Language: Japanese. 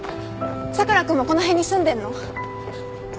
佐倉君もこの辺に住んでんの？